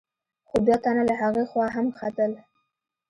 خو دوه تنه له هغې خوا هم ختل.